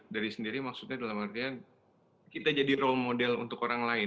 dari sendiri maksudnya dalam artian kita jadi role model untuk orang lain